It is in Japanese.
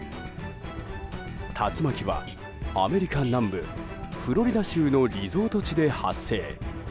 竜巻はアメリカ南部フロリダ州のリゾート地で発生。